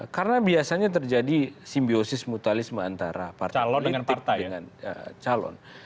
karena biasanya terjadi simbiosis mutualisme antara partai politik dengan calon